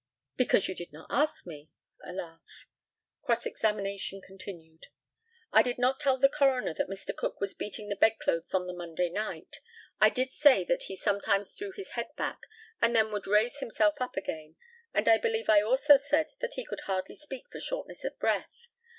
Because you did not ask me. (A laugh.) Cross examination continued: I did not tell the coroner that Mr. Cook was beating the bedclothes on the Monday night. I did say that he sometimes threw his head back, and then would raise himself up again, and I believe I also said that he could hardly speak for shortness of breath.